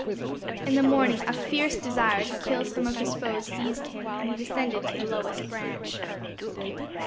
In the morning a fierce desire to kill some of his foes seized him, and he descended to the lowest branch.